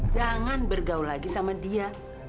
jangan bergaul lagi sama dia